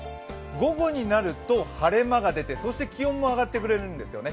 午後になると晴れ間が出て、そして気温も上がってくれるんですよね。